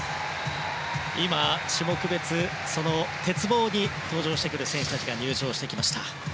今、種目別鉄棒に登場する選手たちが入場してきました。